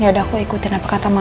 yaudah aku ikutin apa kata mama